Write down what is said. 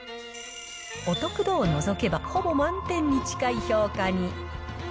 お得度を除けばほぼ満点に近い評価に。